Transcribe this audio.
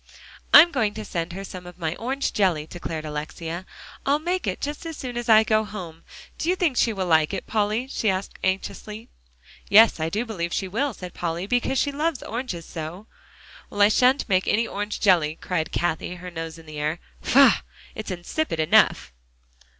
"I'm going to send her some of my orange jelly," declared Alexia. "I'll make it just as soon as I go home. Do you think she will like it, Polly?" she asked anxiously. "Yes, I do believe she will," said Polly, "because she loves oranges so." "Well, I shan't make any old orange jelly," cried Cathie, her nose in the air. "Faugh! it's insipid enough!"